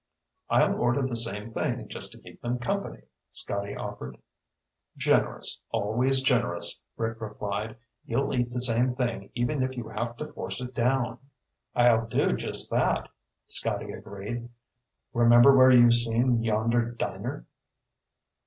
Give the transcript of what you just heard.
"I'll order the same thing just to keep them company," Scotty offered. "Generous, always generous," Rick replied. "You'll eat the same thing even if you have to force it down." "I'll do just that," Scotty agreed. "Remember where you've seen yonder diner?"